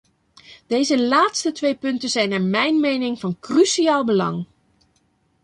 Deze laatste twee punten zijn naar mijn mening van cruciaal belang.